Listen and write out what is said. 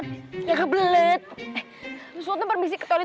pake ganteng banget ikutan